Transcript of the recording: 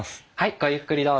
ごゆっくりどうぞ。